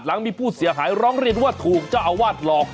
หลังมีผู้เสียหายร้องเรียนว่าถูกเจ้าอาวาสหลอก